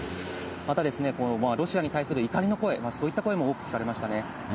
またですね、ロシアに対する怒りの声、そういった声も多く聞かれましたね。